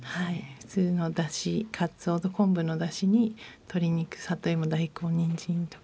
普通のだしかつおと昆布のだしにとり肉里芋大根にんじんとか。